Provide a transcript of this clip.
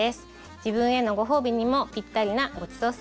自分へのご褒美にもぴったりなごちそうスイーツです。